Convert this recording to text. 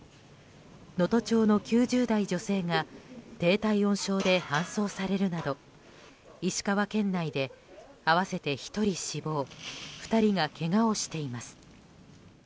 能登町の９０代女性が低体温症で搬送されるなど石川県内で合わせて１人死亡２人がけがをしています。